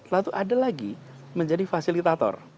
lalu ada lagi menjadi fasilitator